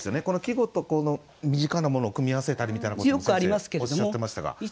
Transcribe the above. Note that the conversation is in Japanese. この季語とこの身近なものを組み合わせたりみたいなことも先生おっしゃってましたが。